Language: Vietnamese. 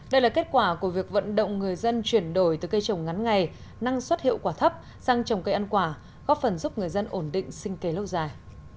đây là kết quả của việc vận động người dân chuyển đổi từ cây trồng ngắn ngày năng suất hiệu quả thấp sang trồng cây ăn quả góp phần giúp người dân ổn định sinh kế lâu dài